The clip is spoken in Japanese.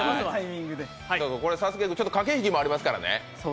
サスケくん駆け引きもありますからね。